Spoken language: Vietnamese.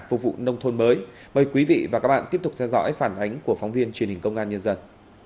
phục vụ nông thôn mới mời quý vị và các bạn tiếp tục theo dõi phản ánh của phóng viên truyền hình công an nhân dân